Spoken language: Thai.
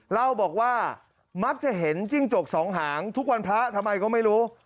เล่าบอกว่ามักจะเห็นจิ้งจกสองหางทุกวันพระทำไมก็ไม่รู้